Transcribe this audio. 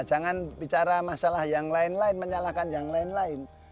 jangan bicara masalah yang lain lain menyalahkan yang lain lain